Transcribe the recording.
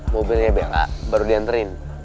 mobilnya bela baru diantarin